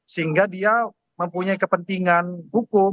sehingga dia mempunyai kepentingan hukum